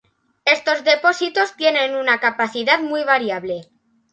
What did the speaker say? Estos depósitos tienen una capacidad muy variable.